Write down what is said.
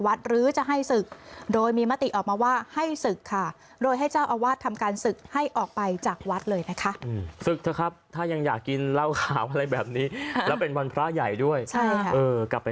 บางทีอาจจะนอนหลับ